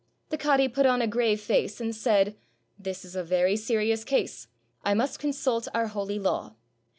The cadi put on a grave face 551 TURKEY and said, "This is a very serious case. I must consult our holy law."